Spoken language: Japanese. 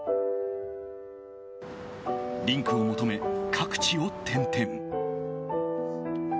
リンクを求め、各地を転々。